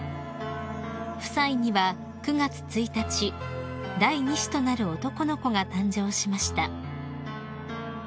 ［夫妻には９月１日第２子となる男の子が誕生しました］